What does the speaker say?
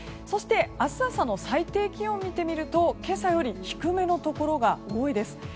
そして、明日朝の最低気温を見てみると今朝より低めのところが多いです。